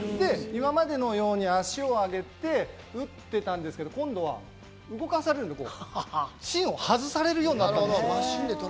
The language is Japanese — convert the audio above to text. で、今までのように足を上げて打ってたんですけど、今度は動かされる、芯を外されるようになる。